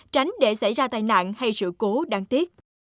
tránh để xảy ra tai nạn hay sự cố đáng tiếc